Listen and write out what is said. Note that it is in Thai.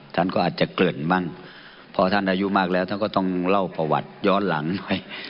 ท่านก็อาจจะเกริ่นบ้างพอท่านอายุมากแล้วท่านก็ต้องเล่าประวัติย้อนหลังหน่อย